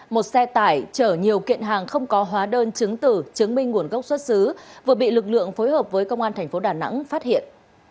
một xe tải chở nhiều kiện hàng không có hóa đơn chứng tử chứng minh nguồn gốc xuất xứ vừa bị lực lượng phối hợp với công an thành phố đà nẵng phát hiện